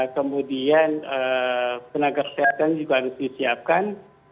kemudian tenaga kesehatan juga harus disiapkan